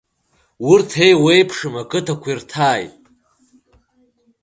Урҭ еиуеиԥшым ақыҭақәа ирҭааит.